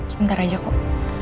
sebentar aja kok